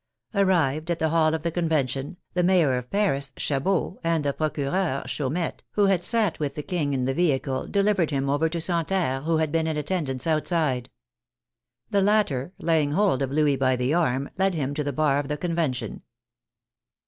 Arrived at the hall of the Convention, the Mayor of Paris, Chabot, and the Procureur, Chaumette, who had sat with the King in the vehicle, delivered him over to Santerre who had been in attendance outside. The latter, laying hold of Louis by the arm, led him to the bar of the Convention.